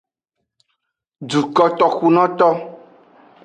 Dukotoxunoto.